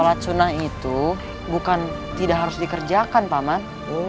sholat sunnah itu bukan tidak harus dikerjakan paman